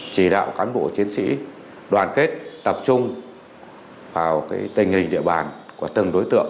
chỉ đạo cán bộ chiến sĩ đoàn kết tập trung vào tình hình địa bàn của từng đối tượng